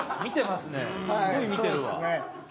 すごい見てるわ。